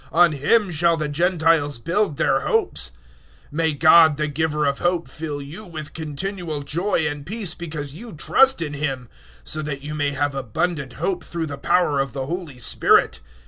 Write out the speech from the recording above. On Him shall the Gentiles build their hopes." 015:013 May God, the giver of hope, fill you with continual joy and peace because you trust in Him so that you may have abundant hope through the power of the Holy Spirit.